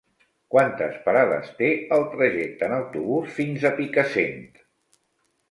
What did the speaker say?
Quantes parades té el trajecte en autobús fins a Picassent?